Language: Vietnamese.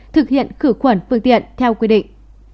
thực hiện khử quẩn phương tiện theo quy định